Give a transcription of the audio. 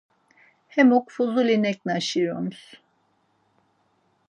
Hemuk fuzuli neǩna şiroms.